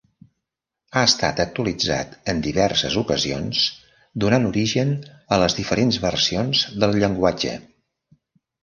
Ha estat actualitzat en diverses ocasions, donant origen a les diferents versions del llenguatge.